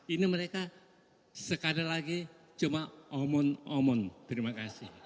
ini mereka sekali lagi cuma omong omong